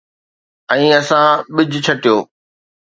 ۽ اسان ٻج ڇٽيو.